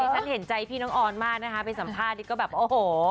ฉันเห็นใจพี่น้องออนมากนะคะไปสัมภาษณ์นี่ก็แบบโอ้โห